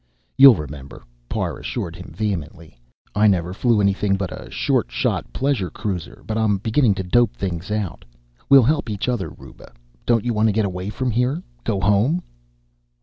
"You'll remember," Parr assured him vehemently. "I never flew anything but a short shot pleasure cruiser, but I'm beginning to dope things out. We'll help each other, Ruba. Don't you want to get away from here, go home?"